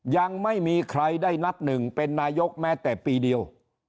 ยังไม่มีใครได้นับหนึ่งเป็นนายกแม้แต่ปีเดียว